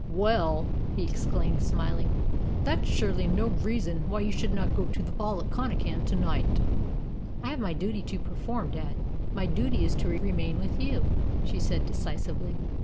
"Well," he exclaimed, smiling, "that's surely no reason why you should not go to the ball at Connachan to night." "I have my duty to perform, dad; my duty is to remain with you," she said decisively.